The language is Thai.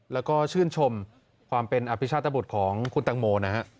แล้วก็ชื่นชมความเป็นอภิชาตบุตรของคุณตังโมนะฮะ